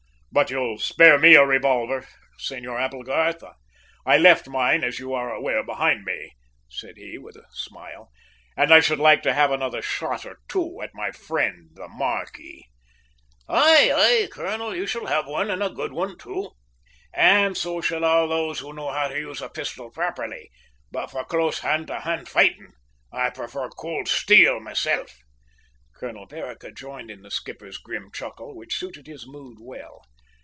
"But you'll spare me a revolver, Senor Applegarth? I left mine, as you are aware, behind me," said he with a smile, "and I should like to have another shot or two at my friend, the `marquis'!" "Aye, aye, colonel, you shall have one, and a good one too, and so shall all those who know how to use a pistol properly; but, for close hand to hand fighting, I prefer cold steel myself." Colonel Vereker joined in the skipper's grim chuckle, which suited his mood well.